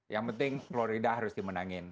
yang penting florida harus dimenangin